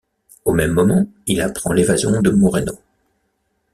Au même moment, il apprend l'évasion de Moreno...